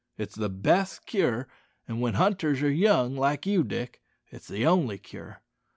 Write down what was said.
It's the best cure; an' when hunters are young like you, Dick, it's the only cure.